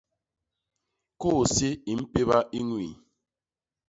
Kôsi i mpéba i ñwii.